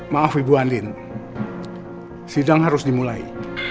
maaf ibu andin sidang harus dimulai